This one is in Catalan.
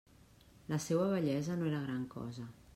La seua bellesa no era gran cosa.